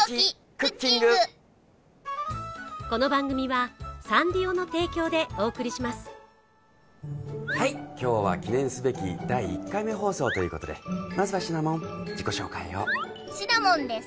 クッキングはい今日は記念すべき第１回目放送ということでまずはシナモン自己紹介をシナモンです